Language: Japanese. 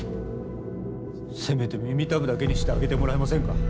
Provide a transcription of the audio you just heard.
せめて耳たぶだけにしてあげてもらえませんか。